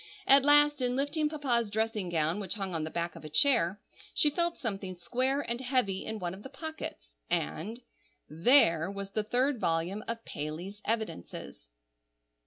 At last, in lifting Papa's dressing gown, which hung on the back of a chair, she felt something square and heavy in one of the pockets; and—there was the third volume of "Paley's Evidences."